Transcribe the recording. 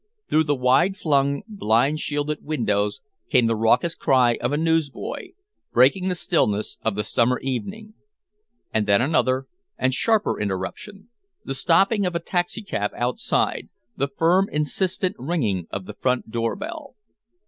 Through the wide flung, blind shielded windows came the raucous cry of a newsboy, breaking the stillness of the summer evening. And then another and sharper interruption, the stopping of a taxicab outside, the firm, insistent ringing of the front doorbell.